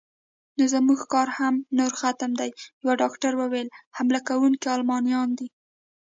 نو زموږ کار هم نور ختم دی، یو ډاکټر وویل: حمله کوونکي المانیان دي.